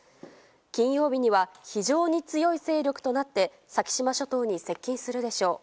金曜日には非常に強い勢力となって先島諸島に接近するでしょう。